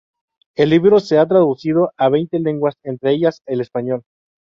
El libro se ha traducido a veinte lenguas, entre ellas el español.